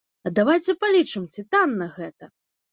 А давайце палічым, ці танна гэта?